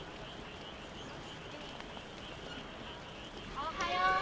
おはよう。